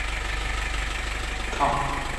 抗战胜利后车站复名徐州站至今。